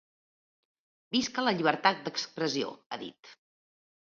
Visca la llibertat d’expressió!, ha dit.